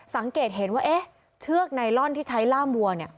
สังเกตเห็นว่าเอ๊ะเชือกไนลอนที่ใช้ล่ามวัว